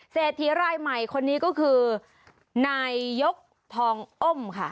เศรษฐีรายใหม่คนนี้ก็คือนายยกทองอ้มค่ะ